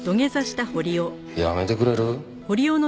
やめてくれる？